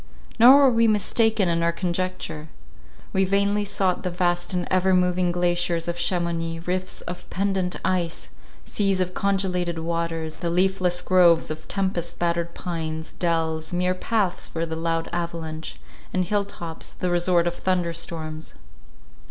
Nor were we mistaken in our conjecture. We vainly sought the vast and ever moving glaciers of Chamounix, rifts of pendant ice, seas of congelated waters, the leafless groves of tempest battered pines, dells, mere paths for the loud avalanche, and hill tops, the resort of thunder storms.